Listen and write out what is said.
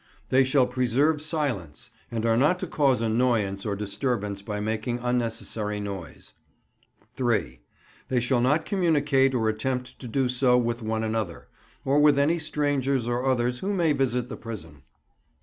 They shall preserve silence, and are not to cause annoyance or disturbance by making unnecessary noise. 3. They shall not communicate or attempt to do so with one another, or with any strangers or others who may visit the prison.